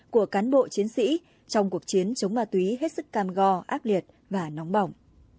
của cán bộ chiến sĩ trong cuộc chiến chống ma túy hết sức cam go ác liệt và nóng bỏng